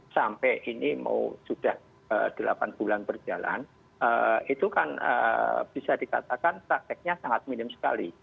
sampai ini mau sudah delapan bulan berjalan itu kan bisa dikatakan prakteknya sangat minim sekali